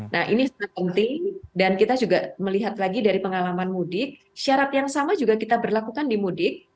nah ini sangat penting dan kita juga melihat lagi dari pengalaman mudik syarat yang sama juga kita berlakukan di mudik